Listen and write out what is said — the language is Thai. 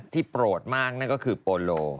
โปรดมากนั่นก็คือโปโล